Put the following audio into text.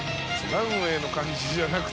ランウエーの感じじゃなくて。